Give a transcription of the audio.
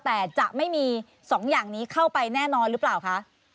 แต่จะไม่มี๒อย่างนี้เข้าไปแน่นอนหรือเปล่าคะ